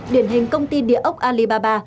điển hình công ty đĩa ốc alibaba